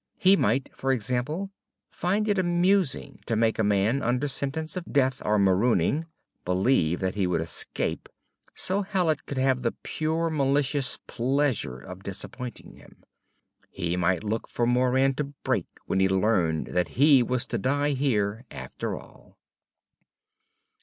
He might, for example, find it amusing to make a man under sentence of death or marooning believe that he would escape, so Hallet could have the purely malicious pleasure of disappointing him. He might look for Moran to break when he learned that he was to die here after all.